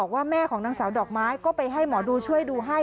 ว่าแม่ของนางสาวดอกไม้ก็ไปให้หมอดูช่วยดูให้